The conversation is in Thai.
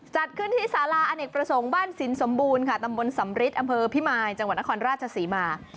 จัดขึ้นที่สาราอเนกประสงค์บ้านสินสมบูรณ์ค่ะตำบลสำริทอำเภอพิมายจังหวัดนครราชศรีมา